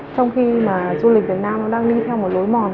trong khi mà du lịch việt nam đang đi theo một lối mòn